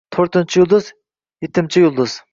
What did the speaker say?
To‘rtinchi yulduz— yetimcha yulduz.